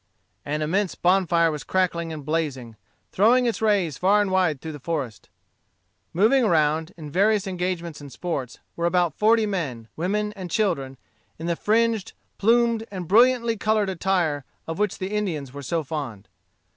An immense bonfire was crackling and blazing, throwing its rays far and wide through the forest. Moving around, in various engagements and sports, were about forty men, women, and children, in the fringed, plumed, and brilliantly colored attire of which the Indians were so fond.